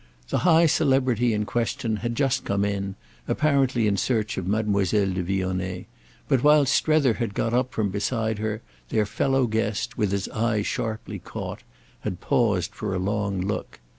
The high celebrity in question had just come in, apparently in search of Mademoiselle de Vionnet, but while Strether had got up from beside her their fellow guest, with his eye sharply caught, had paused for a long look.